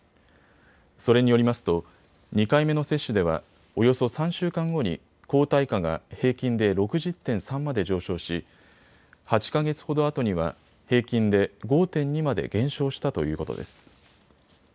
それによりますと２回目の接種ではおよそ３週間後に抗体価が平均で６０．３まで上昇し８か月ほどあとには平均で５．２まで減少したということです。